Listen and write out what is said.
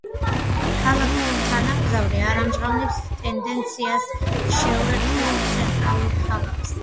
ქალაქ-თანამგზავრი არ ამჟღავნებს ტენდენციას, შეუერთდეს ცენტრალურ ქალაქს.